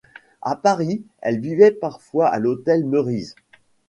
À Paris, elle vivait parfois à l'Hôtel Meurice.